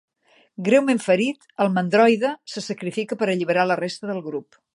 Greument ferit, el 'mandroide' se sacrifica per alliberar la resta del grup.